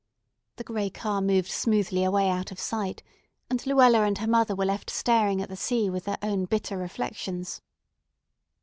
The gray car moved smoothly away out of sight, and Luella and her mother were left staring at the sea with their own bitter reflections.